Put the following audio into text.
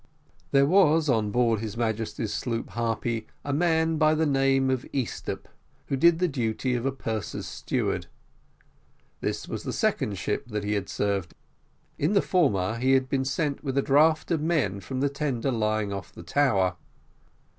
There was on board of his Majesty's sloop Harpy, a man of the name of Easthupp, who did the duty of purser's steward; this was the second ship that he had served in; in the former he had been sent with a draft of men from the Tender lying off the Tower.